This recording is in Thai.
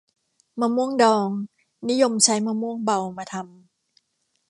มะม่วงดอง นิยมใช้มะม่วงเบามาทำ